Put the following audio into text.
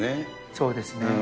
そうですね。